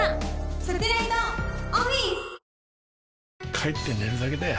帰って寝るだけだよ